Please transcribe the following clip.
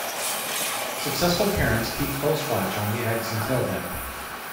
Successful parents keep close watch on the eggs until then.